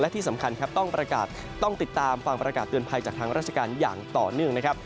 ที่สำคัญครับต้องประกาศต้องติดตามฟังประกาศเตือนภัยจากทางราชการอย่างต่อเนื่องนะครับ